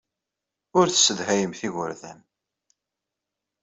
Ur tessedhayemt igerdan.